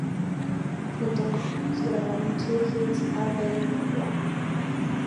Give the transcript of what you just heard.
Juntos grabaron "Two Heads are Better Than One".